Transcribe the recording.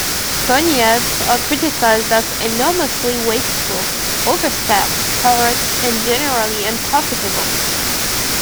Bonyads are criticized as enormously wasteful: overstaffed, corrupt, and generally unprofitable.